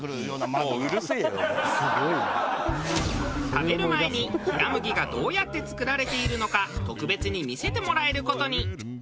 食べる前に冷麦がどうやって作られているのか特別に見せてもらえる事に。